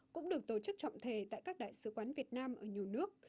cũng được tổ chức trọng thể tại các đại sứ quán việt nam ở nhiều nước